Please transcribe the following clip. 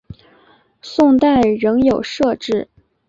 宋代仍有设置。